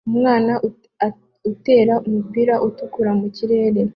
Umwana utera umupira utukura mu kirere